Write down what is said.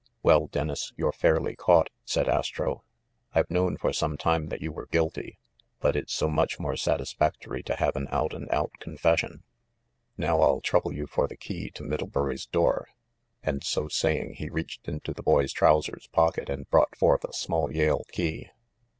"Well, Dennis, you're fairly caught," said Astro. "I've known for some time that you were guilty ; but it's so much more satisfactory to have an out and out confession. Now I'll trouble you for the key to Mid dlebury's door." And, so saying, he reached into the boy's trousers pocket and brought forth a small Yale key.